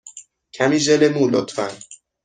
کمی ژل مو، لطفا.